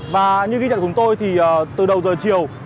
và như ghi nhận của tôi thì từ đầu giờ chiều